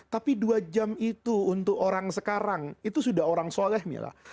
tapi dua jam itu untuk orang sekarang itu sudah orang soleh mila